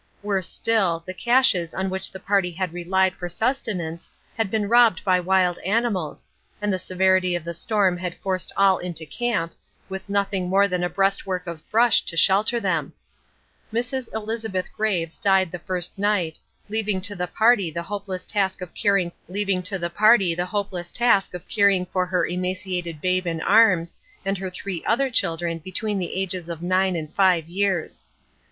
Worse still, the caches on which the party had relied for sustenance had been robbed by wild animals, and the severity of the storm had forced all into camp, with nothing more than a breastwork of brush to shelter them. Mrs. Elisabeth Graves died the first night, leaving to the party the hopeless task of caring for her emaciated babe in arms, and her three other children between the ages of nine and five years.